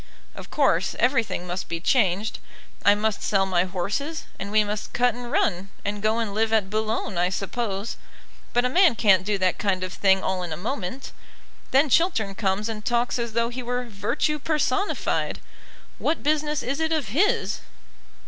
"Of course, everything must be changed. I must sell my horses, and we must cut and run, and go and live at Boulogne, I suppose. But a man can't do that kind of thing all in a moment. Then Chiltern comes and talks as though he were Virtue personified. What business is it of his?"